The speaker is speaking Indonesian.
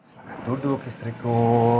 selamat duduk istriku